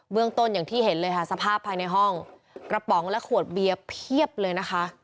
เรื่องต้นอย่างที่เห็นเลยค่ะสภาพภายในห้องกระป๋องและขวดเบียร์เพียบเลยนะคะ